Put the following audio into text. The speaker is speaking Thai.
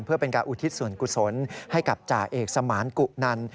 เพื่อเป็นการอุทิศส่วนกุศลให้กับจ่าเอกสมานกุนัน